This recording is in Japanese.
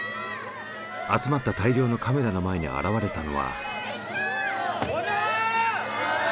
集まった大量のカメラの前に現れたのは。